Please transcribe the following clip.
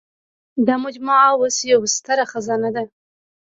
دا مجموعه اوس یوه ستره خزانه ده.